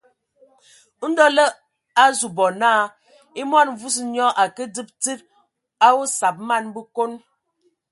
Ndɔ lə azu bɔ naa e mɔn mvua nyɔ a ke dzib tsid a osab man Bəkon.